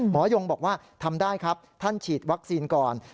ยงบอกว่าทำได้ครับท่านฉีดวัคซีนก่อน